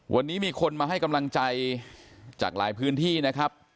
วันนี้มีคนมาให้กำลังใจจากหลายพื้นที่นะครับ